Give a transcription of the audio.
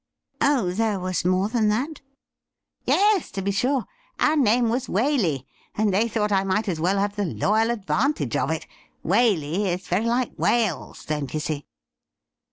' Oh, there was more than that .?'' Yes, to be sure. Our name was Waley, and they thought I might as well have the loyal advantage of it. Waley is very like Wales — don't you see